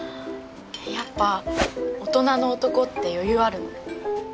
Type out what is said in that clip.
やっぱ大人の男って余裕あるの？